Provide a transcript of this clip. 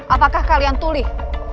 apakah kalian tulih